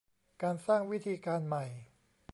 การสร้างวิธีการใหม่